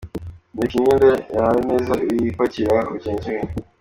Bika imyenda yawe neza, wiyipakira mu kintu kimwe.